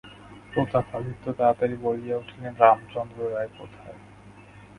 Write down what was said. প্রতাপাদিত্য তাড়াতাড়ি বলিয়া উঠিলেন, রামচন্দ্র রায় কোথায়?